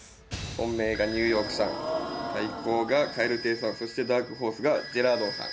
本命がニューヨークさん対抗が蛙亭さんそしてダークホースがジェラードンさん